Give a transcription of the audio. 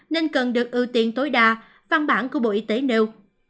nên cần được ưu tiên tối đa văn bản của bộ y tế nêu